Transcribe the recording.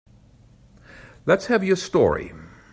Let's have your story.